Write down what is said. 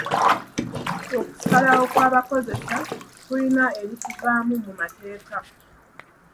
Okusalawo kw'abakozesa kuyina ebikuvaamu mu mateeka.